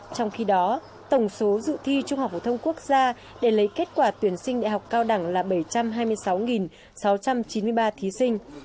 trong khi đó tổng số dự thi trung học phổ thông quốc gia để lấy kết quả tuyển sinh đại học cao đẳng là bảy trăm hai mươi sáu sáu trăm chín mươi ba thí sinh